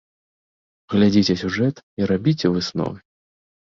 Глядзіце сюжэт і рабіце высновы.